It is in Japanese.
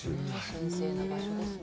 神聖な場所ですね。